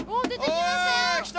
きた。